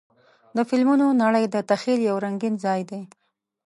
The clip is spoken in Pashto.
د فلمونو نړۍ د تخیل یو رنګین ځای دی.